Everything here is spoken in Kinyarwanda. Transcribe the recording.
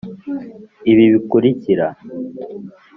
ibi bikurikira